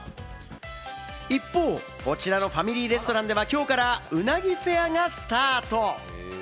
一方、こちらのファミリーレストランではきょうから鰻フェアがスタート。